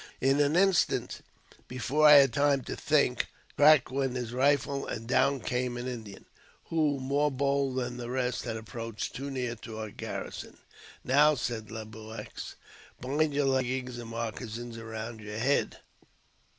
In an instant, before I had time to think, crack went his rifle, and down came an Indian, who, more bold than the rest, had approached too near to our garrison. " Now," said Le Blueux, " bind your leggings and moccasins, around your head."